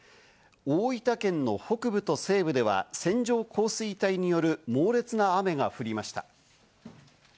大分県の北部と西部では線状降水帯による猛烈な雨が降りました。